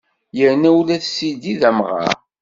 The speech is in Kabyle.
Yerna ula d Sidi d amɣar!